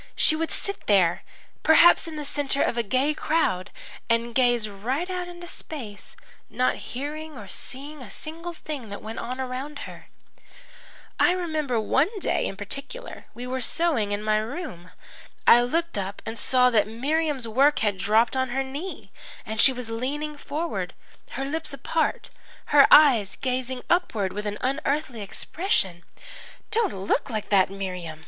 She would sit there, perhaps in the centre of a gay crowd, and gaze right out into space, not hearing or seeing a single thing that went on around her. "I remember one day in particular; we were sewing in my room. I looked up and saw that Miriam's work had dropped on her knee and she was leaning forward, her lips apart, her eyes gazing upward with an unearthly expression. "'Don't look like that, Miriam!'